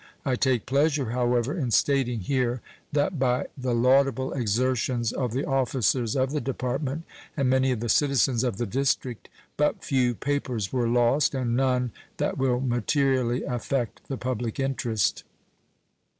I take pleasure, however, in stating here that by the laudable exertions of the officers of the Department and many of the citizens of the District but few papers were lost, and none that will materially affect the public interest.